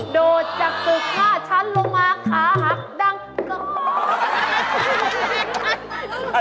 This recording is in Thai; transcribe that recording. โดดจากตึก๕ชั้นลงมาขาหักดังกอก